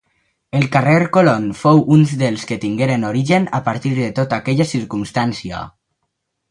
El carrer Colon fou un dels que tingueren origen a partir de tota aquella circumstància.